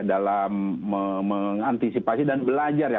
dalam mengantisipasi dan belajar ya